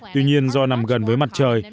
tuy nhiên do nằm gần với mặt trời